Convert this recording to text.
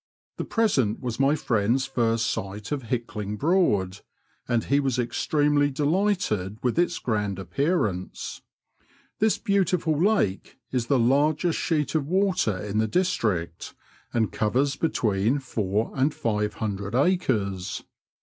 The present was my Mend's first sight of Hickling Broad, and he was extremely delighted with its grand appearance. This beautiful lake is the largest sheet of water in the district, and covers between four and five hundred acres.